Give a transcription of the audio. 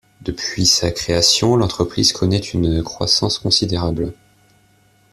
Depuis sa création, l'entreprise connait une croissance considérable.